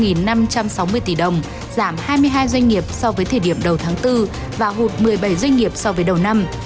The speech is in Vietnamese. giảm hai mươi hai doanh nghiệp so với thời điểm đầu tháng bốn và hụt một mươi bảy doanh nghiệp so với đầu năm